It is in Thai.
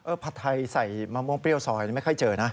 ผัดไทยใส่มะม่วงเปรี้ยวซอยนี่ไม่ค่อยเจอนะ